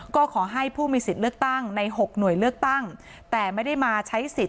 ก็ขอให้ผู้มีสิทธิ์เลือกตั้งใน๖หน่วยเลือกตั้งแต่ไม่ได้มาใช้สิทธิ